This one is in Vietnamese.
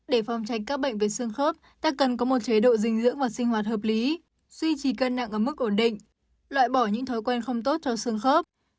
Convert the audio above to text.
để phòng trách các bệnh về sương khớp ta cần có một chế độ dinh dưỡng và sinh hoạt hợp lý suy trì cân nặng ở mức ổn định loại bỏ những thói quen không tốt cho sương khớp